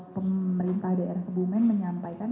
pemerintah dr kebumen menyampaikan